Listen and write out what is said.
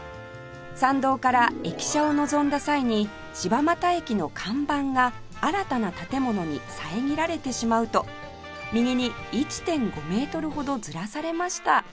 参道から駅舎を望んだ際に柴又駅の看板が新たな建物に遮られてしまうと右に １．５ メートルほどずらされました